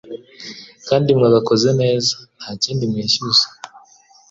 kandi mwagakoze neza. Ntakindi mbishyuza